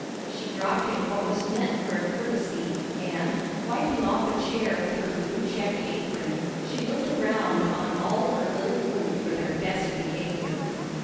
She dropped him what was meant for a courtesy, and, wiping off a chair with her blue checked apron, she looked around on all her little group for their best behavior.